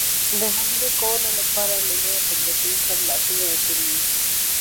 د حملو کولو لپاره یې له لویو قدرتونو سره لاسونه یو کړي دي.